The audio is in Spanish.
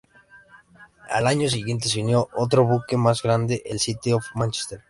Al año siguiente, se unió otro buque más grande, el "City of Manchester".